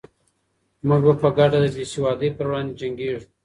موږ به په ګډه د بې سوادۍ پر وړاندې جنګېږو.